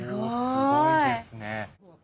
すごいですね。